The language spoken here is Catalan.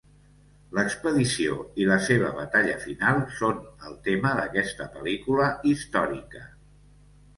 L'expedició i la seva batalla final són el tema d'aquesta pel·lícula històrica.